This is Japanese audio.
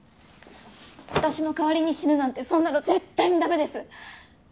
私の代わりに死ぬなんてそんなの絶対にダメです。